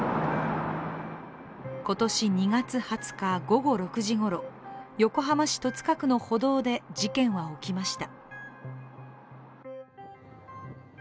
今年２月２０日午後６時ごろ、横浜市戸塚区の歩道で事件は起きました。